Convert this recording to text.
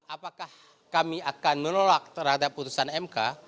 apakah kami akan menolak terhadap putusan mk